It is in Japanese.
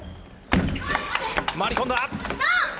回り込んだ。